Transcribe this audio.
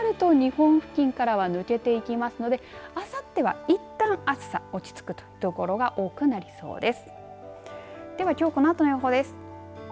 この暖かい空気はあさってになると日本付近からは抜けていきますのであさってはいったん暑さ落ち着くという所が多くなりそうです。